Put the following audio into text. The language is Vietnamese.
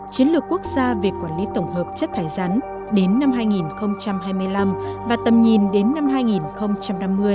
chiến lược quốc gia về quản lý tổng hợp chất thải rắn đến năm hai nghìn hai mươi năm và tầm nhìn đến năm hai nghìn năm mươi